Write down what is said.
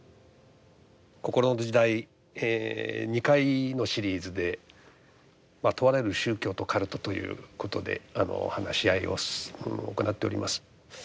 「こころの時代」２回のシリーズで「問われる宗教とカルト」ということで話し合いを行っております。